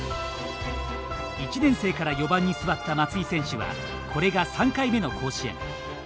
１年生から４番に座った松井選手はこれが３回目の甲子園。